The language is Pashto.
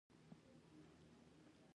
خلاق تخریب له ځان سره لري.